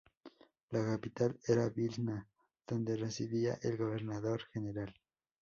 La capital era Vilna, donde residía el gobernador general.